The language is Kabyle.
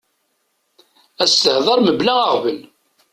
Ad s-tehder mebla aɣbel.